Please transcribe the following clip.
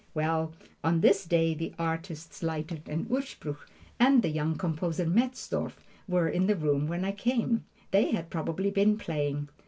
Well, on this day the artists Leitert and Urspruch, and the young composer Metzdorf, were in the room when I came. They had probably been playing.